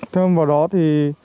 thêm vào đó thì